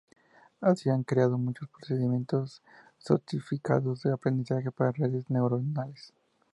Así han creado muchos procedimientos sofisticados de aprendizaje para redes neuronales.